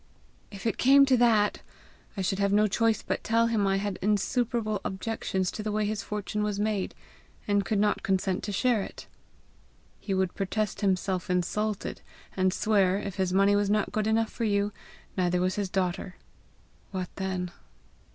"If it came to that, I should have no choice but tell him I had insuperable objections to the way his fortune was made, and could not consent to share it." "He would protest himself insulted, and swear, if his money was not good enough for you, neither was his daughter. What then?"